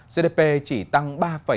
gdp chỉ tăng ba một mươi bốn